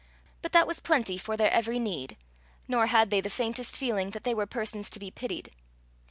But that was plenty for their every need, nor had they the faintest feeling that they were persons to be pitied.